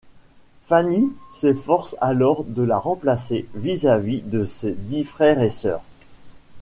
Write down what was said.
Fanny s'efforce alors de la remplacer vis-à-vis de ses dix frères et sœurs.